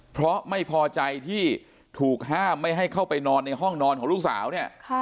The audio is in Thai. เพราะไม่พอใจที่ถูกห้ามไม่ให้เข้าไปนอนในห้องนอนของลูกสาวเนี่ย